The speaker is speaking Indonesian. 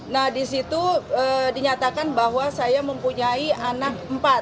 nah di situ dinyatakan bahwa saya mempunyai anak empat